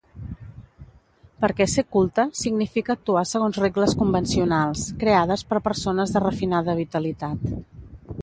Perquè ser culte significa actuar segons regles convencionals, creades per persones de refinada vitalitat.